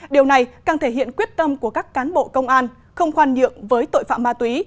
điều này càng thể hiện quyết tâm của các cán bộ công an không khoan nhượng với tội phạm ma túy